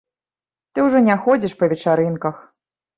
Ты ўжо не ходзіш па вечарынках.